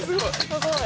すごい。